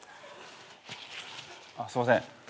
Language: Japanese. あっすいません。